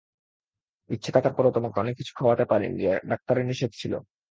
ইচ্ছা থাকার পরেও তোমাকে অনেক কিছু খাওয়াতে পারিনি, ডাক্তারের নিষেধ ছিল।